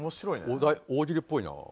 お題大喜利っぽいな。